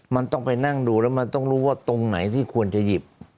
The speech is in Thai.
มันต้องไปนั่งดูแล้วมันต้องรู้ว่าตรงไหนที่ควรจะหยิบ